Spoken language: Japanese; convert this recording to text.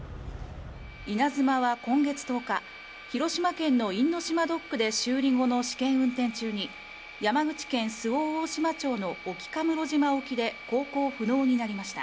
「いなづま」は今月１０日、広島県の因島ドックで修理後の試験運転中に山口県周防大島町の沖家室島沖で航行不能になりました。